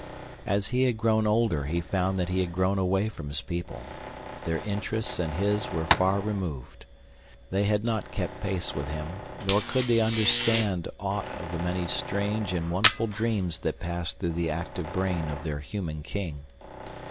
As he had grown older, he found that he had grown away from his people. Their interests and his were far removed. They had not kept pace with him, nor could they understand aught of the many strange and wonderful dreams that passed through the active brain of their human king.